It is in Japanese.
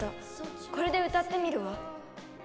これで歌ってみるわ。